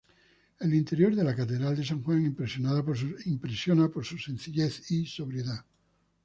El interior de la Catedral de San Juan impresiona por su sencillez y sobriedad.